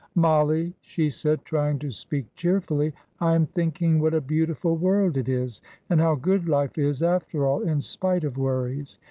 "Mollie," she said, trying to speak cheerfully, "I am thinking what a beautiful world it is, and how good life is, after all, in spite of worries.